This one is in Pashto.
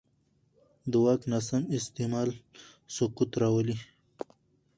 د واک ناسم استعمال سقوط راولي